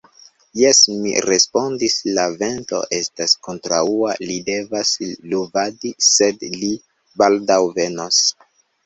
Jes, mi respondis, la vento estas kontraŭa, li devas luvadi, sed li baldaŭ venos.